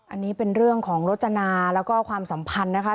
อันนี้เป็นเรื่องของรจนาแล้วก็ความสัมพันธ์นะคะ